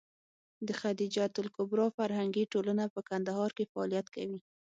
د خدېجه الکبرا فرهنګي ټولنه په کندهار کې فعالیت کوي.